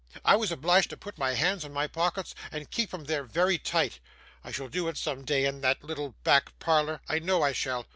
I was obliged to put my hands in my pockets, and keep 'em there very tight. I shall do it some day in that little back parlour, I know I shall.